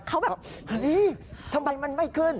เขาแบบเฮ้ยทำไมมันไม่ขึ้น